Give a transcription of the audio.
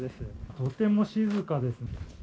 とても静かです。